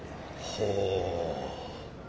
ほう。